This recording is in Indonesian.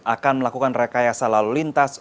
akan melakukan rekayasa lalu lintas